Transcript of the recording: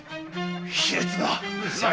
卑劣な！